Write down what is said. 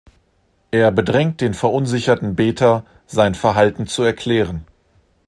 Er bedrängt den verunsicherten Beter, sein Verhalten zu erklären.